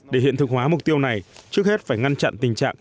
để hiện thực hóa mục tiêu này trước hết phải ngăn chặn tình trạng